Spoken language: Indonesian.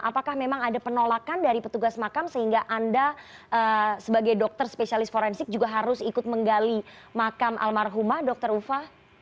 apakah memang ada penolakan dari petugas makam sehingga anda sebagai dokter spesialis forensik juga harus ikut menggali makam almarhumah dr ufa